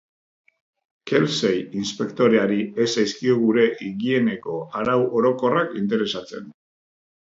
Kelsey inspektoreari ez zaizkio gure higieneko arau orokorrak interesatzen.